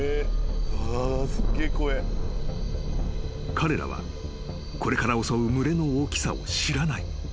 ［彼らはこれから襲う群れの大きさを知らない］